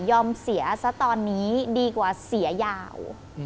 เสียซะตอนนี้ดีกว่าเสียยาว